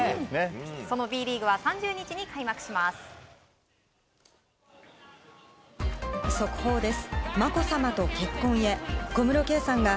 そのＢリーグは３０日に開幕します。